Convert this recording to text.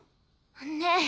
ねえ。